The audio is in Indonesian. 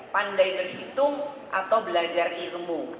pandai berhitung atau belajar ilmu